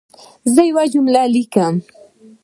زه یوه جمله لیکم.